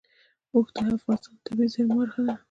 اوښ د افغانستان د طبیعي زیرمو برخه ده.